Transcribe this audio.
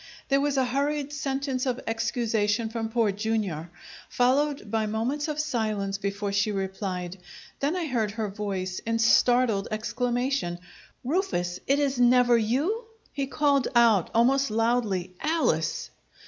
There was a hurried sentence of excusation from Poor Jr., followed by moments of silence before she replied. Then I heard her voice in startled exclamation: "Rufus, it is never you?" He called out, almost loudly, "Alice!"